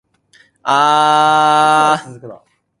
あああああああああああああああああああ